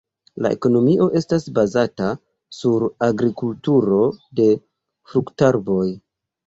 La ekonomio estas bazata sur agrikulturo de fruktarboj.